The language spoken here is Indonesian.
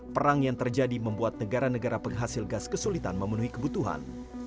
perang yang terjadi membuat negara negara penghasil gas kesulitan memenuhi kebutuhan